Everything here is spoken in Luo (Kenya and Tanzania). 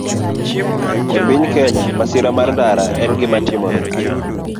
E piny Kenya, masira mar ndara en gima timore